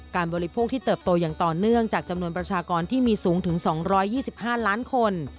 บริโภคที่เติบโตอย่างต่อเนื่องจากจำนวนประชากรที่มีสูงถึง๒๒๕ล้านคน